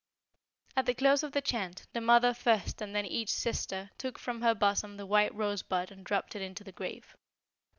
At the close of the chant, the mother first and then each sister took from her bosom the white rosebud and dropped it into the grave.